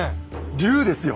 龍ですよ！